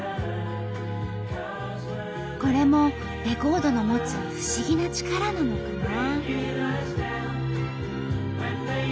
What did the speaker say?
これもレコードの持つ不思議な力なのかな。